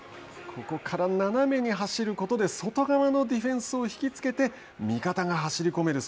ここから斜めに走ることで外側のディフェンスを引きつけ味方が走り込める